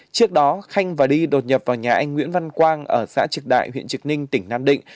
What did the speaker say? trước đó khanh và đi đột nhập vào nhà anh nguyễn văn quang ở xã trực đại huyện trực ninh tỉnh nam định